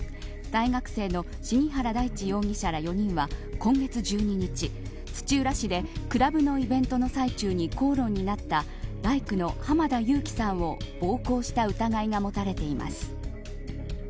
大学生の鴫原大智容疑者ら４人は今月１２日、土浦市でクラブのイベントの最中に口論になった大工の浜田夕輝さんを暴行した疑いが持たれています。